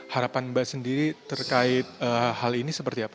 harapan mbak sendiri terkait hal ini seperti apa